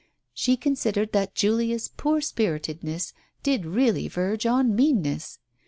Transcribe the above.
She considered that Julia's poor spiritedness did really verge on meanness.